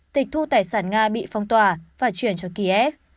tịch thu tài sản nga bị phong tỏa phải chuyển cho kiev